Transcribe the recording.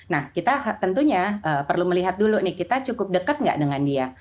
nah kita tentunya perlu melihat dulu nih kita cukup dekat nggak dengan dia